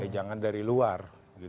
jangan dari luar